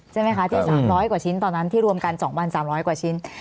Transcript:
ใช่ไหมคะที่๓๐๐กว่าชิ้นตอนนั้นที่รวมกัน๒๓๐๐กว่าชิ้น